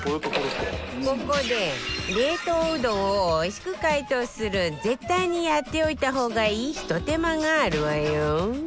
ここで冷凍うどんをおいしく解凍する絶対にやっておいた方がいいひと手間があるわよ